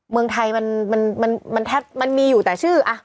เมืองไทยมันแทบมันมีอยู่แต่ชื่อ